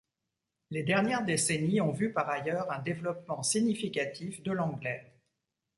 Les dernières décennies ont vu par ailleurs un développement significatif de l’anglais.